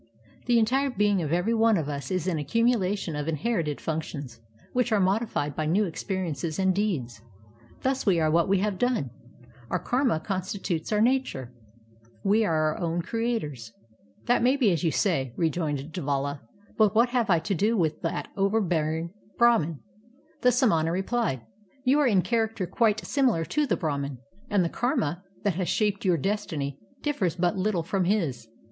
The entire being of ever\' one of us is an accumulation of inherited fimctions which are modified by new experiences and deeds. Thus we are what we have done. Our karma constitutes our nature. We are our own creators." ^ Spiritual beings, gods or angels. 46 KARMA: A STORY OF BUDDHIST ETHICS "That may be as you say," rejoined Devala, "but what have I to do with that overbearing Brahman?" The samana replied: " You are in character quite sim ilar to the Brahman, and the karma that has shaped your destiny differs but little from his.